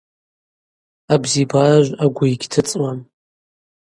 Абзибаражв агвы йгьтыцӏуам.